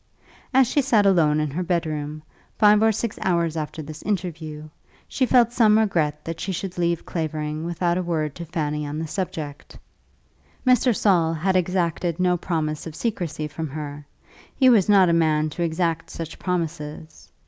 As she sat alone in her bed room, five or six hours after this interview, she felt some regret that she should leave Clavering without a word to Fanny on the subject. Mr. Saul had exacted no promise of secrecy from her; he was not a man to exact such promises.